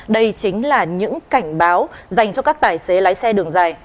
đây chính là những cảnh báo dành cho các tài xế lái xe đường dài